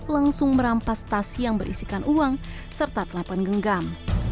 langsung merampas tas yang berisikan uang serta telepon genggam